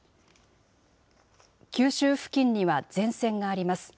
九州付近には前線があります。